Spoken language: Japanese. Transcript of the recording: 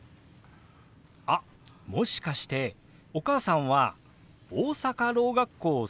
あっもしかしてお母さんは大阪ろう学校卒業ですか？